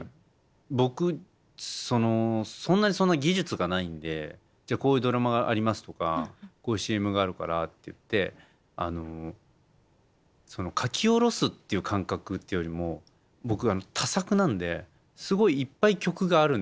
僕そんな技術がないんで「こういうドラマがあります」とか「こういうＣＭがあるから」っていって書き下ろすっていう感覚っていうよりも僕多作なんですごいいっぱい曲がある。